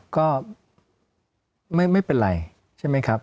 ก็ไม่เป็นไรใช่ไหมครับ